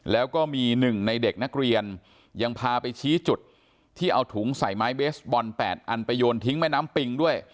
แล้วก็มีหนึ่งในเด็กนักเรียนยังพาไปชี้จุดที่เอาถุงใส่ไม้เบสบอล๘อันไปโยนทิ้งแม่น้ำปิงด้วย